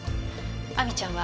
亜美ちゃんは。